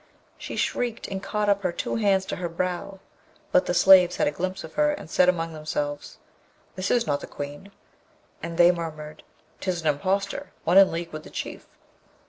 She shrieked, and caught up her two hands to her brow, but the slaves had a glimpse of her, and said among themselves, 'This is not the Queen.' And they murmured, ''Tis an impostor! one in league with the Chief.'